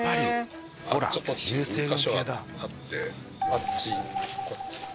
あっちこっち。